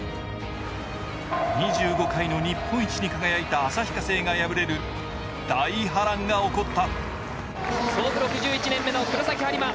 ２５回の日本一に輝いた旭化成が敗れる大波乱が起こった。